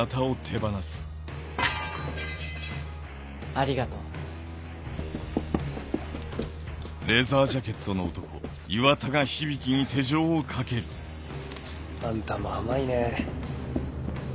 ありがとう。あんたも甘いね。